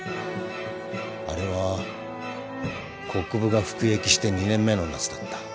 あれは国府が服役して２年目の夏だった。